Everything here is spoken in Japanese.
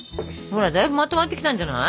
ほらだいぶまとまってきたんじゃない？